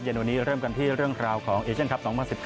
วันนี้เริ่มกันที่เรื่องราวของเอเชียนคลับ๒๐๑๘